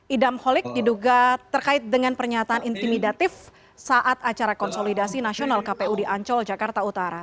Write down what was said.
idam holik diduga terkait dengan pernyataan intimidatif saat acara konsolidasi nasional kpu di ancol jakarta utara